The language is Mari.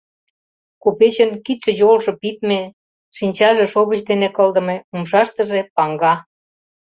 Купечын кидше-йолжо пидме, шинчаже шовыч дене кылдыме, умшаштыже — паҥга.